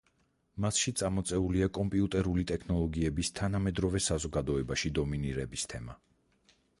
მასში წამოწეულია კომპიუტერული ტექნოლოგიების თანამედროვე საზოგადოებაში დომინირების თემა.